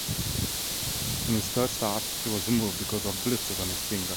In his third start, he was removed because of blisters on his finger.